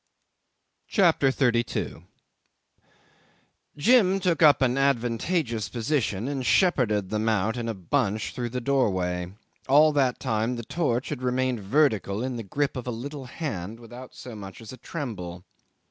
CHAPTER 32 'Jim took up an advantageous position and shepherded them out in a bunch through the doorway: all that time the torch had remained vertical in the grip of a little hand, without so much as a tremble.